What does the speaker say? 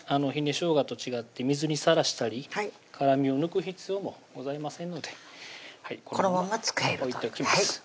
しょうがと違って水にさらしたり辛みを抜く必要もございませんのでこのまんま使えると置いときます